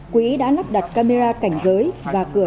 quỹ đã lắp đặt camera cảnh giới và cửa